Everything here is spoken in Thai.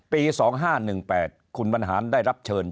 ปี๒๕๑๘คุณบรรหารได้รับเชิญ